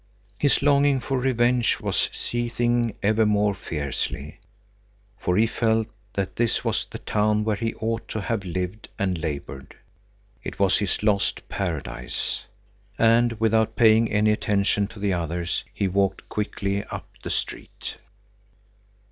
His longing for revenge was seething ever more fiercely, for he felt that this was the town where he ought to have lived and labored. It was his lost paradise. And without paying any attention to the others he walked quickly up the street.